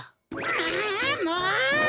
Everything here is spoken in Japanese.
あもう！